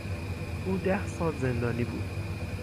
او ده سال زندانی بود.